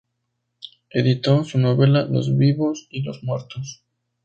Editó su novela "Los vivos y los muertos".